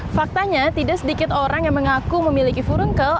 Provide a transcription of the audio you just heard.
faktanya tidak sedikit orang yang mengaku memiliki furunkel